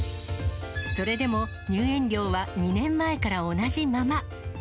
それでも入園料は２年前から同じまま。